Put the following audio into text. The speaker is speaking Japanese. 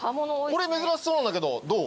これ珍しそうなんだけどどう？